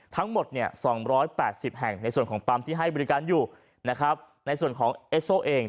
ทั้งหมด๒๘๐แห่งในส่วนของปั๊มที่ให้บริการอยู่นะครับในส่วนของเอสโซเอง